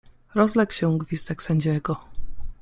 Rozległ się gwizdek sędziego.